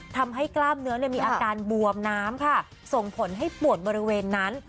กล้ามเนื้อมีอาการบวมน้ำค่ะส่งผลให้ปวดบริเวณนั้น